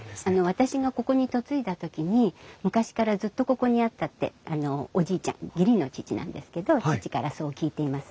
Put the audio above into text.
私がここに嫁いだ時に昔からずっとここにあったってあのおじいちゃん義理の父なんですけど義父からそう聞いています。